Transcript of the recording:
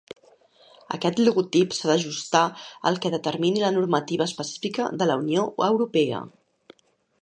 Aquest logotip s'ha d'ajustar al que determini la normativa específica de la Unió Europea.